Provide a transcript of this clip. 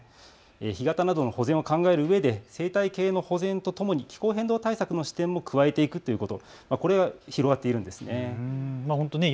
干潟などの保全を考えるうえで生態系の保全とともに気候変動対策の視点も加えていこうということ、この動きが広がっているんです。